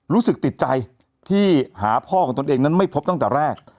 รู้สึกติดใจที่หาพ่อของตนเองนั้นไม่พบตั้งแต่แรก